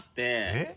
えっ？